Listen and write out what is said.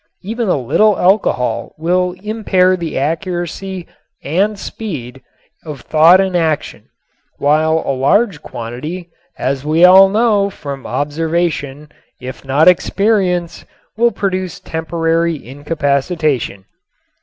Even a little alcohol will impair the accuracy and speed of thought and action, while a large quantity, as we all know from observation if not experience, will produce temporary incapacitation.